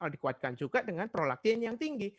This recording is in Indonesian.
dikuatkan juga dengan prolakin yang tinggi